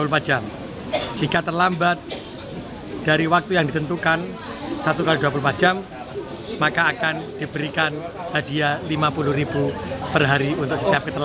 per hari itu pak